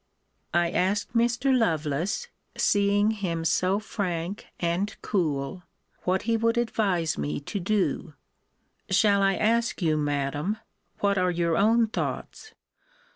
I asked Mr. Lovelace, seeing him so frank and cool, what he would advise me to do. Shall I ask you, Madam, what are your own thoughts?